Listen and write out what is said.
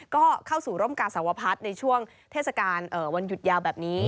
ก็เข้าสู่ร่มกาสวพัฒน์ในช่วงเทศกาลวันหยุดยาวแบบนี้